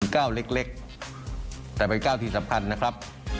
ก้าวเล็กแต่เป็นก้าวที่สำคัญนะครับ